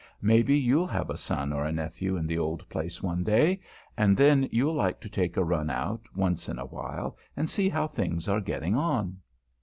Maybe you'll have a son or a nephew in the old place one day; and then you'll like to take a run out, once in a while, and see how things are getting on.